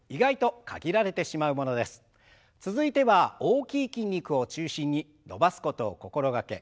続いては大きい筋肉を中心に伸ばすことを心掛け